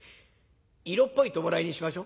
色っぽい葬式にしましょ」。